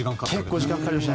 結構時間がかかりました。